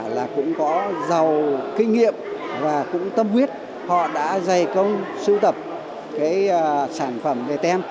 là cũng có giàu kinh nghiệm và cũng tâm huyết họ đã dày công sưu tập cái sản phẩm về tem